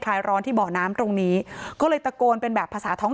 ร้อนที่เบาะน้ำตรงนี้ก็เลยตะโกนเป็นแบบภาษาท้อง